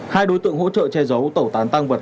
hai đối tượng hỗ trợ che giấu tẩu tán tăng vật